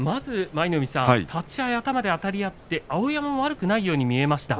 舞の海さん、立ち合い頭であたり合って碧山も悪くないように見えました。